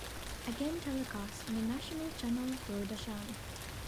Again telecast on the national channel Doordarshan.